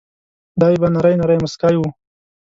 دای به نری نری مسکی و.